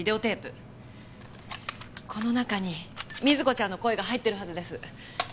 この中に瑞子ちゃんの声が入ってるはずです。